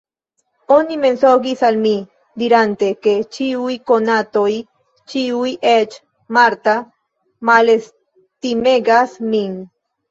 Oni mensogis al mi, dirante, ke ĉiuj konatoj, ĉiuj, eĉ Marta, malestimegas min.